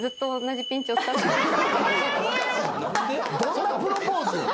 どんなプロポーズ！？